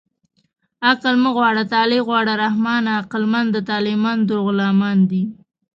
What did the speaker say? عقل مه غواړه طالع غواړه رحمانه عقلمند د طالعمندو غلامان دي